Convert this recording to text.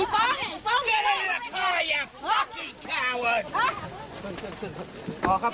ขอเอาคุณผู้ชมกับโลกหนึ่ง